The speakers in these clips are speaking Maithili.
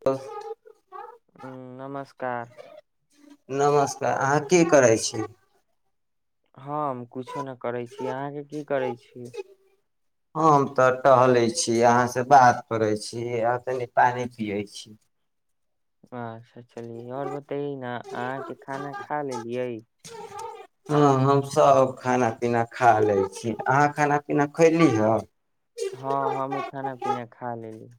तब [unintelligible] ह नमस्कार नमस्कार अहाँ की करै छी हम कुछो नहि करै छी अहाँके की करै छी हम तऽ टहलै छी अहाँसे बात करै छी आ तनि पानि पियै छी आछ चलिय और बतैए न अहाँके खाना खा लेलियै हँ हमसभ खाना पीना खा लै छी अहाँ खाना पीना खयली हँ हँ हम हु खाना पीना खा लेली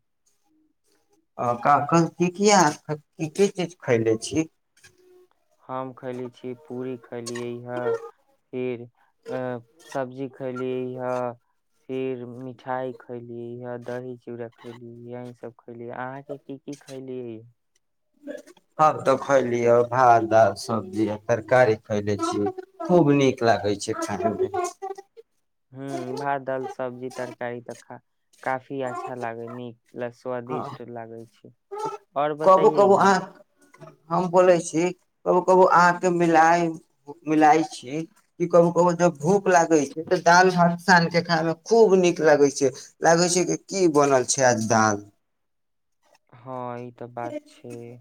अ काखन कि खियाल की की चीज खयले छी हम खयली छी पूरी खैलियै हए फिर अ सब्जी खैलि ह फिर मिठाइ खैलि ह दही चूड़ा खयलि यहि सभ खयली अहाँके की की खयलि आब तऽ खयलियै भात दालि सबजी आ तरकारी खयलै छि खूब नीक लागै छै खायमे ह्म भात दल सब्जी तरकारी तऽ खा काफी अच्छा लागे नीक ल स्वादिष्ट लागै छैइ आओर कबो बतइयै कबो न अहाँ हम बोलै छी कबो कबो अहाँके मिलाय मिलाय छी कि कबो कबो जब भूख लागै छैइ तऽ दालि भात सान के खायमे खूब नीक लगै छैइ लागै छैइ कि की बनल छैइ आज दालि हँ ई तऽ बात छैइ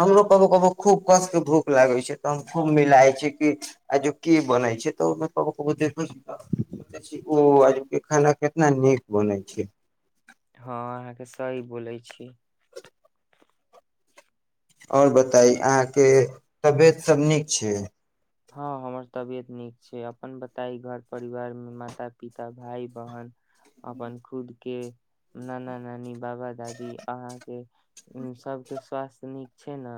हमरो कबो कबो खूब कसके भूख लागै छैइ तऽ हम खूब मिलाइ छियै कि आजू की बनैइ छैइ तऽ ओहिमे कबो कबो देखै छी तै छी ओ आजूके खाना कितना नीक बनै छैइ हँ अहाँके सही बोलैइ छी और बताई अहाँके तबियतसभ नीक छै हँ हमर तबियत नीक छैइ अपन बताई घर परिवार में माता पिता भाई बहिन अपन खुद के नाना नानी बाबा दादी अहाँके उ सबके स्वास्थ्य नीक छैइ न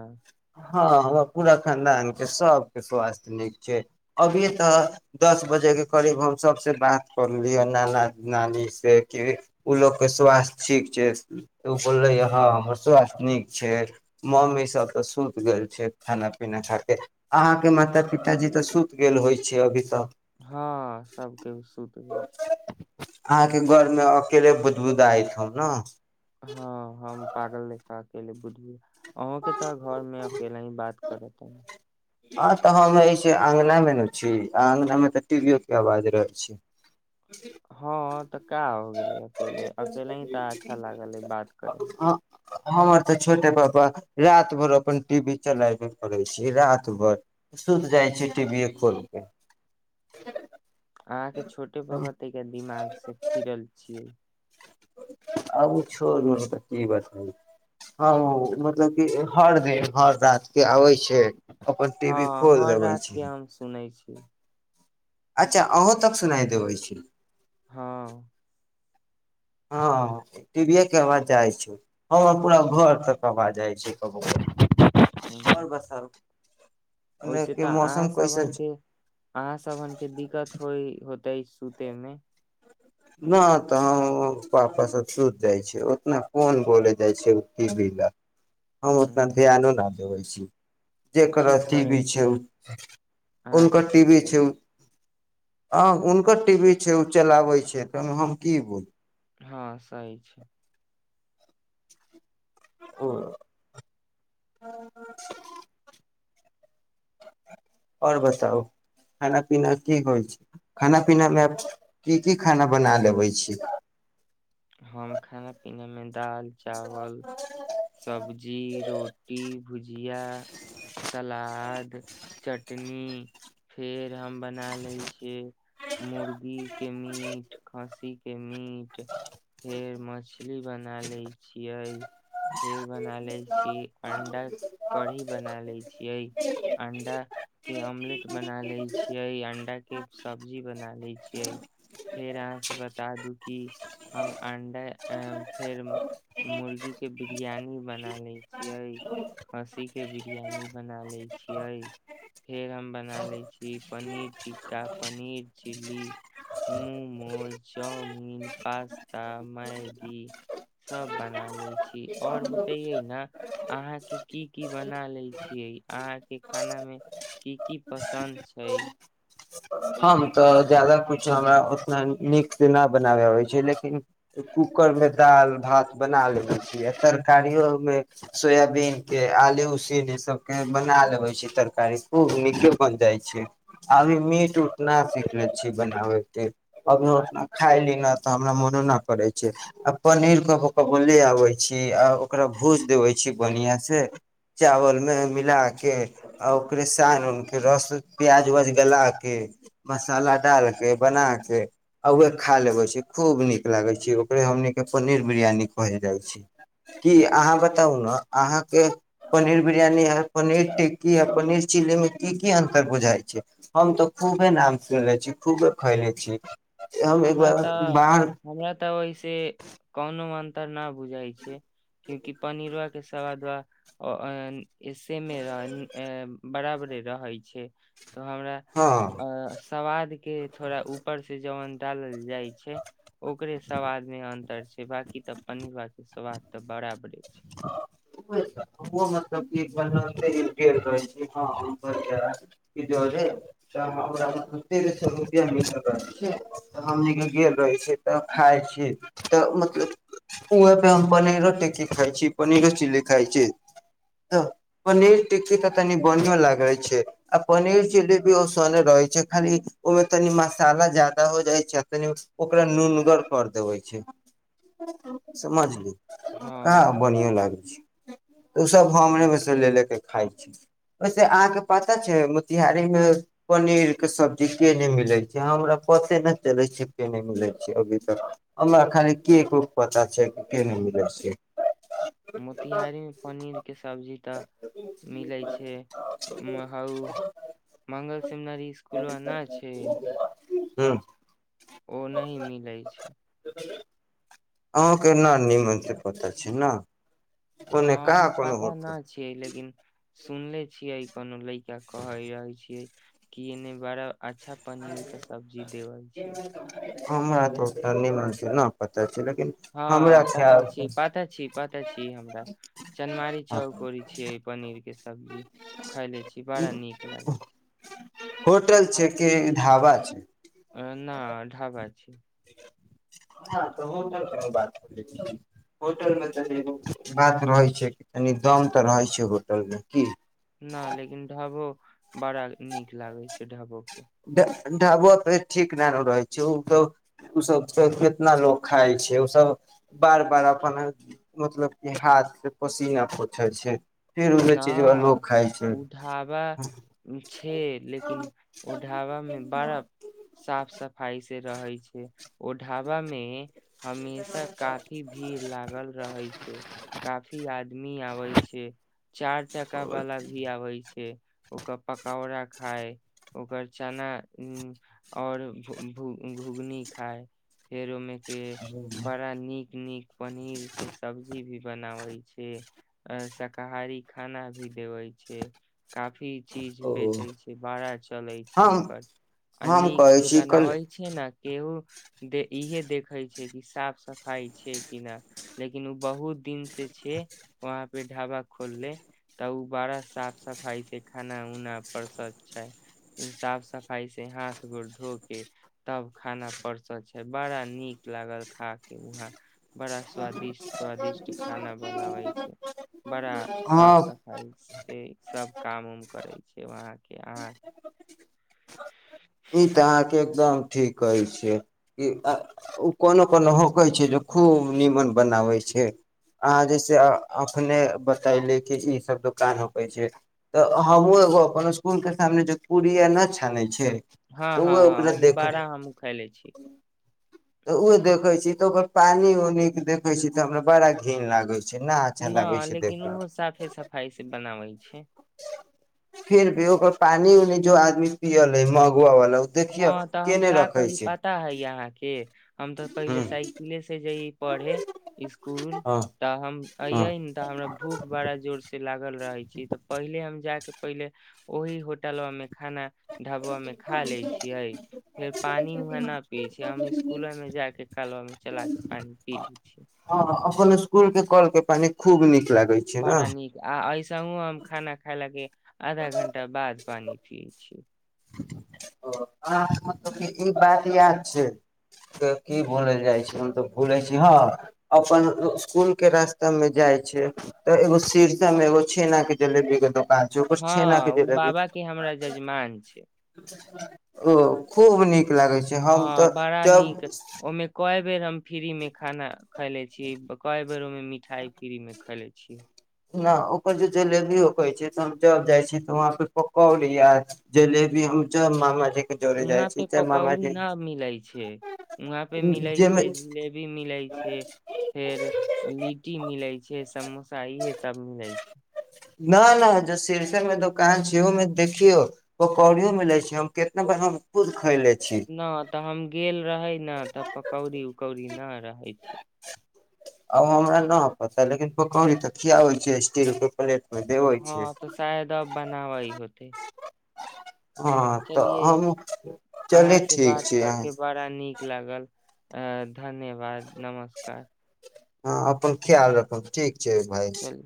हँ हमरा पूरा खानदान के सबके स्वास्थ्य नीक छैइ अभीये तऽ दस बजेके करीब हम सबसे बात करलियै नाना नानी से कि ओ लोकके स्वास्थ्य ठीक छैइ उ बोललै ह हमर स्वास्थ्य नीक छैइ मम्मीसभ तऽ सुति गेल छैइ खाना पीना खाके अहाँके माता पिताजी तऽ सुति गेल होइ छैइ अभी तक हां सभकेऊ सुति गेल छै अहाँके घर में अकेले बुदबुदाय छौं न हँ हम पागल लेखा ए ले। बुधब [unintelligible] अहूं के तऽ घर में अकेला ही बात करत आ तऽ हम ऐसे अंगना में न छी आ अंगना में तऽ टीवीओ के आवाज रहै छै हँ अ तऽ का हो गेल अकेले अकेले ही तऽ अच्छा लागल हय बात करे मे हमर तऽ छोटे पापा रात भर अपन टी वी चलायबे करै छी रात भर सुति जाइ छी टीवीए खोलि कऽ अहाँ के छोटे पापा त दिमाग से फिरल छियै आब उ छोड़ू त की बतबै हँ मतलब की हर दिन हर रात के आबैइ छैय हँ हर रात के हम सुनै छी ह [inaudible] [unintelligible] अच्छा अहूँ तक सुनाई देबै छी हँ हँ टीवीए के आवाज जाइ छैइ हं पूरा घर तक आवाज जाइ छैइ कबो कबो ह ओई ओने से के तऽ मौसम अहाँ कैसन सभन छै के अहाँ सभन के दिक्कत होइ हो तै सूते में नह तऽ हम वापस सुति जाइ छियै उतना कोन बोले जाइ छैइ टीवी ला हम ओतना हम्म, धेआनो न देबै छी जेकरा ठीक करै टीवी छै छियै अहाँके हुनकर ठीक टीवी छै करै छी ह हुनकर टीवी छै उ चलाबै छै हम की बोलू हां सही छै ओ आओर बताउ खाना पीना की होइ छै खाना पीनामे आब की की खाना बना लेबै छी हम खाना पीना में दाल चावल सब्जी रोटी भुजी भुजिया सलाद चटनी फेर हम बना ले छियै मुर्गी के मीट खसिके के मीट फेर मछ ली बना ले छियै फेर बना ले छी अंडा कढ़ी बना ले छियै अंडा के अमलेट बना लैय छी अंडा के सब्जी बना लैय छिअइ फेर अहाँ से बता दू कि हम अण्डा फेर मुर्गीके बिरयानी बना लैइ छियै खस्सीके बिरयानी बना लैइ छियै फेर हम बना लैत छियै paneer tikka paneer chilli momos chow mein pasta Maggi सब बना ले छी और बताइय न अहाँके की की बना लैय छिअइ अहाँके खाना में की की पसन्द छै हम तऽ जादा कुछो हमरा उतना नीकसै न बनाबे अबैइ छैइ लेकिन कूकरमे दाल भात बना लय छीअइ आ तरकारियो मे सोयाबीनके आलू उसिन ई सभके बना लेबैत छियै तरकारी खूब नीके बनि जाइत छै अभी मीट उट ना सीखने छी बनाबे के अभी ओतना खाइ ली ना तऽ हमरा मोनो न करै छैइ आ पनीरके कऽ ले आबै छी आ ओकरा भूज देबै छी बढ़िआँसँ चावलमे मिलाके आ ओकरे सानि उनिके रस प्याज उआज गला के मसाला डालके बना के आ उहे खा लेबै छी खूब नीक लागै छै ओकरे हमनीके पनीर बिरियानी कहै जाइ छै की अहाँ बताउ ने अहाँके पनीर बिरियानी आ पनीर टिक्की आ पनीर चिलीमे की की अन्तर बुझाइ छै हम तऽ खूबे नाम सुनले छी खूबे खैले छी हम एक हमरा बार तऽ बाहर हमरा तऽ ओइसे कोनो अं खत्तरनाब [unintelligible] बुझाइ छैइ क्योंकि पनीरों सबादबा सेमे रहै बराबरे रहै छैइ तऽ हमरा हँ अ सवाद के थोड़ा ऊपर से जवन डालल जाइ ओकरे सबाद में अन्तर छै बाकी त पनीरबा के स्वाद त बराबरे छै बने गेल रहे छी ह जे ते मिलल रहे छै हमनी कगेल रहे छी त खाय छी त मतलब ओह पे हम पनेरो‌ टिक्की खाय छी [unintelligible] पनीरो चिली खाइ छै तऽ पनीर टिक्की तऽ तनी बढ़ियो लागे छै आ पनीर चिली भी ओसने रहै छै खाली ओहिमे तनी मसाला जादा हो जाइ छैआ तनि ओकरा नूनगर कर देबे छै समझली काम हँ लागै छै ऽ ओसभ हमरे में से ले ले कऽ खाइ छी वैसे अहाँके पता छै मोतिहारीमे पनीरके सब्जी केन्ने मिलै छै हमरा पते न चलैइ छै की केन्ने मिलै छै अभी तक हमरा खाली केक उक पता छैइ की केने मिलै छै मोतिहारी में पनीर के सब्जी तऽ मिलै छै महौ मंगल सेमिनरी इसकुलवा ना छै हूं ओ नहि मिलै छै अहाँके न निमनसँ पता छै ने ओने ह कहाँ कोनो पता होटल नहि छियै लेकिन सुनले छियै कोनो ल का कहै रहै छियै की एने बड़ा अच्छा पनीर के सब्जी देबल छी हमरा त निमन सँ न पता छै लेकिन हमरा हँ पता ख्याल से छी पता छी पता छी हमरा चनमारी चौकौरी छियै पनीर के सब्जी खैले छी बड़ा नीक लागै छै ढावा छै अ न ढाबा छै हँ त होटल बात होटल मे त बात रहै छै तनी दम तऽ रहै छै होटल मे की नहि लेकिन ढाबो बड़ा नीक लागै छै ढाबो प ढाबो पे ठीक ना न रहै छै ओ ओ सब कितना लोग खाइ छै ओसभ बार बार अपन मतलब कि हाथ स पसीना पोछै छै फेर उहे न चीजबा लोग खाइ छै ओ ढाबा छै लेकिन ओ ढाबा मे ब बड़ा साफ सफाई से रहै छै ओ ढाबा मे हमेशा काफी भीड़ लागल रहै छै काफी आदमी आबै छै चारि चक्का वाला भी आबै छै ओकर पकौड़ा खाय ओकर चना आओर घु घु घुघनी खाय हेरोमे [unintelligible] के बड़ा नीक नीक पनीर के सब्जी भी बनावै छै साकाहारी खाना भी देबै छै काफी चीज ओ बेचे छै बाड़ा चलैत छै हम ओकर आ हम नीक कहै से छी कल बनाबै छै ने केहू इहे देखै छै कि साफ सफाई छै कि न लेकिन ओ बहुत दिन से छै वहाँ पे ढाबा खोलले तऽ ओ बड़ा साफ सफाई से खाना उना परसत छै साफ सफाई से हाथ गोड़ धो के तब खाना परसत छै बड़ा नीक लागल खा के वहा बड़ा स्वादिष्ट स्वादिष्ट खाना बनावै छै बड़ा साफ हँ सफाइ से सब काम उम करै छै वहााँके अहाँ ई तऽ अहाँके एकदम ठीक कहैत छियै कि ओ कोनो कोनो होकै छै जे खूब नीमन बनाबैत छै अहाँ जैसे एखने बतयली कि ईसभ दोकान होकै छै तऽ हमहूँ एगो अपन इसकुलके सामने जे पूड़ी य नहि छानैत छै हँ तऽ हँ उह हँ ओकरा ओहिमे देख बारह हम खाय ले छी तऽ उ देखे छी तऽ ओकर पानी उनी के देखे छी त हमरा बड़ा घिन लागे छै अच्छा न लागै छै लेकिन देखे मे ओ साफे सफाई से बनाबै छै [inaudible] फिर भी ओकर पानी उनि जो आदमी पियल ह मंग वग वाल हँ तऽ हम का करी पता हइ अहाँके हम तऽ ह पहिले साइकिले से जइ पढ़े इसकूल ह तऽ हम ह एयये तऽ हमरा भूख बड़ा जोर से ल रहै छी तऽ पहिले हम जाके पहिले ओहि होटलवामे खाना ढाबोमेमे खा लैै छियै फेर पानि उहे न पिय छियै हम इसकूलमे जाके काले मे चला के पानि पी ले छियै ख स्कूल के कल के पानी खूब नीक लागे छै ने बड़ा नीक आ ऐस हम खाना खााय लागी आधा घण्टा बाद पानी पियै छिय अहाँ मतलब ई बात याद छै के की बोलल जाइ छै मतलब भूले छी हँ अपन इसकूल के रास्ता में जाइ छै तऽ एगो शीरष मे एगो छेना के जलेबी के दोकान छै ओकर हँ छेना के ओ जलेबी बाबा के हमरा जजमान छै ओ खूब नीक नीक लागै छै हम तऽ जब क बेर हम फ्री मे खाना खैले छी क बेर ओहिमे मिठाई फ्री में खैले छी न ओकर जे जलेबी हो कहे छै त हम जब जाय छी त वहां पे पकौरी या जलेबी हम जब मामा जी वहाँ पे पकौड़ी न मिलै छै वहाँ पे मिलै जाहिमे छै जिलेबी मिलैत छै फेर लिट्टी मिलैत छै समोसा इहे सब मिलै छै न न जो सीरसे में दोकान छै ओ में देखियो ओ पकौड़ियो मिले छै हम केितना बार हम खुद खैले छी नहि तऽ हम गेल रहै ने तऽ पकौड़ी उकौड़ी नहि रहै छी आब हमरा न पता लेकिन पकौड़ी किया होइ छै स्टील रप हँ तऽ शायद आब बनावै होतै हँ तऽ चलियै हमहुँ अहाँ चलैत से बात छी करके अहाँसँ बड़ा नीक लागल अ धन्यवाद नमस्कार हँ अपन ख्याल राखब ठीक छै भाई चलि